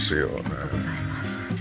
ありがとうございます。